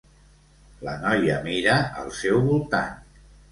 La noia mira al seu voltant.